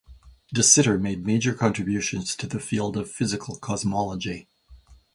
De Sitter made major contributions to the field of physical cosmology.